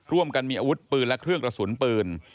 ร่วมกันมีอาวุธปืนและเครื่องกระสุนปืน